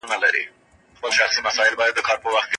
ډېر ږدن او پاڼي به له کړکۍ څخه ونه راسي.